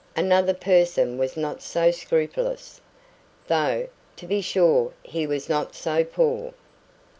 Another person was not so scrupulous, though, to be sure, he was not so poor.